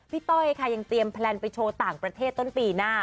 ต้อยค่ะยังเตรียมแพลนไปโชว์ต่างประเทศต้นปีหน้า